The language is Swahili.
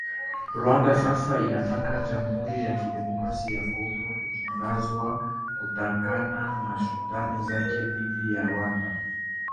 Rwanda sasa inataka Jamuhuri ya Kidemokrasia ya Kongo kuchunguzwa kutokana na shutuma zake dhidi ya Rwanda